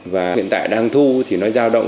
và hiện tại đang thu thì nó giao động